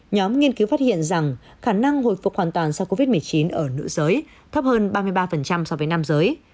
nhóm nghiên cứu phát hiện rằng khả năng hồi phục hoàn toàn sau covid một mươi chín ở nữ giới thấp hơn ba mươi ba so với nam giới